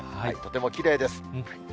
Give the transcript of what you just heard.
とてもきれいです。